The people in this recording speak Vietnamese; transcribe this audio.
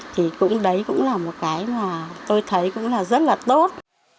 thì cũng đấy cũng là một cái mà tôi thấy cũng là rất là tốt